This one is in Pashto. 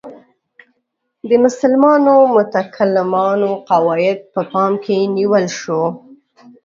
د مسلمانو متکلمانو قواعد په پام کې نیول شو.